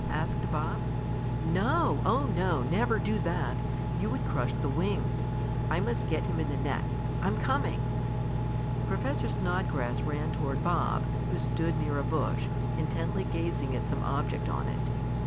asked Bob. "No! Oh no! Never do that! You would crush the wings. I must get him in the net. I'm coming!" Professor Snodgrass ran toward Bob, who stood near a bush, intently gazing at some object on it.